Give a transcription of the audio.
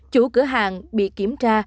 chủ cửa hàng bị kiểm tra